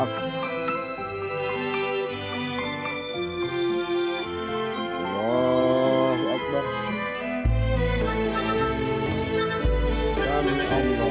terima kasih anda